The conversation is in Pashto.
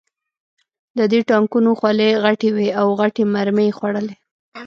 د دې ټانکونو خولې غټې وې او غټې مرمۍ یې خوړلې